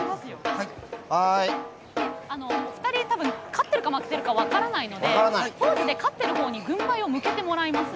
お二人多分勝ってるか負けているか分からないのでポーズで勝っている方に軍配を向けてもらいます。